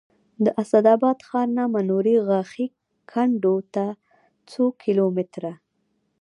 د اسداباد ښار نه منورې غاښي کنډو ته څو کیلو متره